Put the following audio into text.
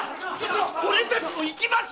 俺たちも行きます！